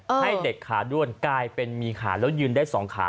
ให้เด็กขาด้วนกลายเป็นมีขาแล้วยืนได้๒ขา